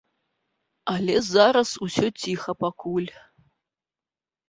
Але зараз усё ціха пакуль.